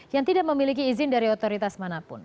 yang tidak memiliki izin dari otoritas manapun